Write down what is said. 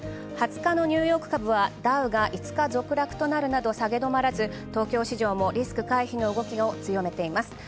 ２０日のニューヨーク株はダウが５日続落となるなど、下げ止まらず東京市場もリスク回避の動きを強めています。